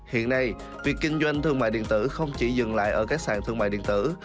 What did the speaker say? hiện nay việc kinh doanh thương mại điện tử không chỉ dừng lại ở các sàn thương mại điện tử